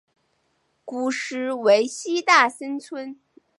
古时为西大森村。